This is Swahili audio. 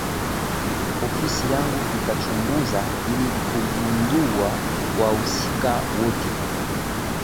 ofisi yangu itachunguza ili kugundua wahusika wote